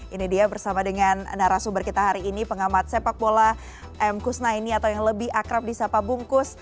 ini dia bersama dengan narasumber kita hari ini pengamat sepak bola m kusnaini atau yang lebih akrab di sapa bungkus